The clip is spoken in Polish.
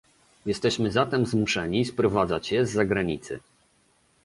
Jesteśmy zatem zmuszeni sprowadzać je z zagranicy